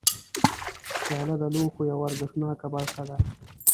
پیاله د لوښو یوه ارزښتناکه برخه ده.